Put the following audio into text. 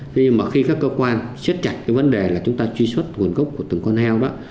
nhưng mà khi các cơ quan xét chạy cái vấn đề là chúng ta truy xuất nguồn gốc của từng con heo đó